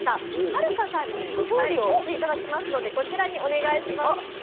はるかさんに調理をしていただきますのでこちらにお願いします。